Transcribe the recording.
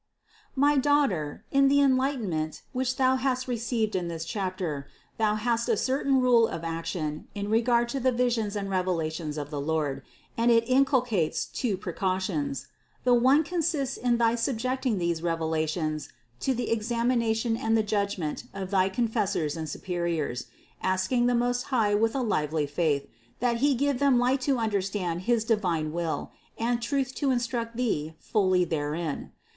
644. My daughter, in the enlightenment, which thou hast received in this chapter, thou hast a certain rule of action in regard to the visions and revelations of the Lord, and it inculcates two precautions. The one consists in thy subjecting these relations to the examination and the judgment of thy confessors and superiors, asking the Most High with a lively faith, that He give them light to understand his divine will and truth to instruct thee fully therein.